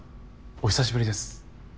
お久しぶりです。